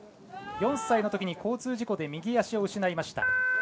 ４歳のときに交通事故で右足を失いました。